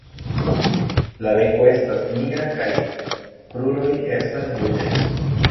La beko estas nigra kaj la kruroj estas ruĝaj.